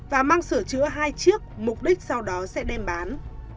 và mang sửa chữa hai chiếc mục đích sau đó sẽ đem bán